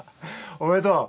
おめでとう。